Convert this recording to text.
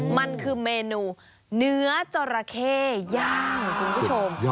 มันคือเมนูเนื้อจราเข้ย่างคุณผู้ชม